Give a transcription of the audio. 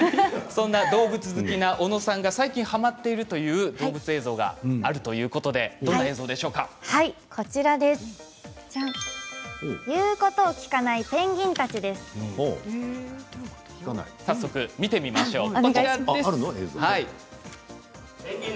動物好きな小野さんが最近はまってるという動物映像があるということで言うことを聞かない早速、見てみましょう。